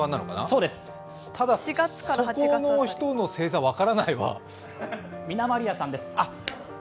ただ、そこの人の星座分からないわみなまりあさんです。